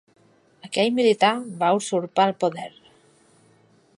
Aquell militar va usurpar el poder.